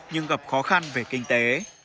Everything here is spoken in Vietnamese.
nhưng gặp khó khăn về kinh tế